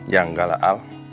ya enggak lah al